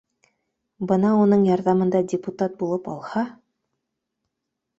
Бына уның ярҙамында депутат булып алһа